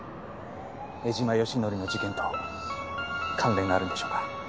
江島義紀の事件と関連があるんでしょうか。